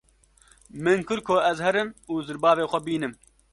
Min kir ko ez herim û zirbavê xwe bînim.